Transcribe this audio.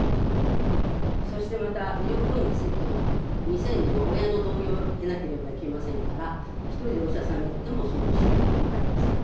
そしてまた医療行為については、未成年は親の同意を得なければいけませんから、１人でお医者さんに行っても処方してもらえません。